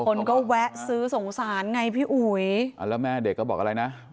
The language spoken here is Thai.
คนก็แวะซื้อสงสารไงพี่อุ๋ยอ่าแล้วแม่เด็กก็บอกอะไรนะ